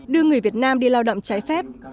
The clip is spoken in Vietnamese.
đưa người việt nam đi lao động trái phép